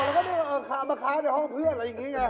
มันโดดแล้วก็นี่มาค้างอยู่ห้องเพื่อนอะไรอย่างนี้